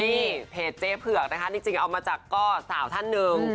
นี่เพจเจ๊เผือกนะคะจริงเอามาจากก็สาวท่านหนึ่ง